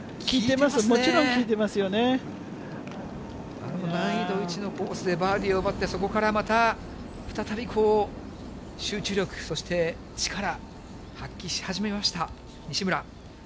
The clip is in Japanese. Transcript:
あの難易度１のコースでバーディーを奪って、そこからまた、再び集中力、そして力、発揮し始めました、西村。